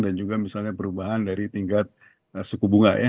dan juga misalnya perubahan dari tingkat suku bunga ya